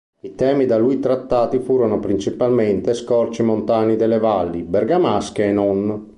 I temi da lui trattati furono principalmente scorci montani delle valli, bergamasche e non.